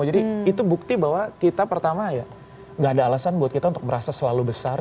jadi itu bukti bahwa kita pertama ya gak ada alasan buat kita untuk merasa selalu besar